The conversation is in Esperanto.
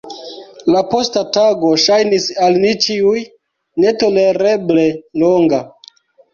La posta tago ŝajnis al ni ĉiuj netolereble longa.